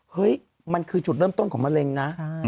เฮ้ยมันคือจุดเริ่มต้นของมะเร็งนะ